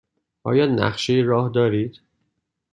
آیا نقشه راه دارید؟